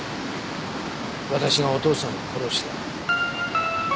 「私がお父さんを殺した」。